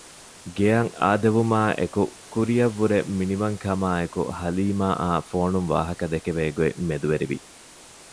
ގެއަށް އާދެވުމާއެކު ކުރިއަށް ވުރެ މިނިވަން ކަމާއެކު ހަލީމައާ ފޯނުން ވާހަކަ ދެކެވޭ ގޮތް މެދުވެރިވި